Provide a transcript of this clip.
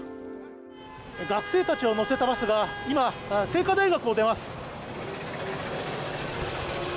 学生たちを乗せたバスが今、清華大学を出ます。